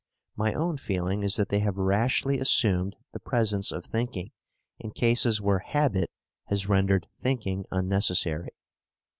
My own feeling is that they have rashly assumed the presence of thinking in cases where habit has rendered thinking unnecessary.